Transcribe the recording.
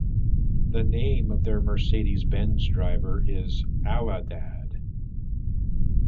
The name of their Mercedes Benz driver is Allahdad.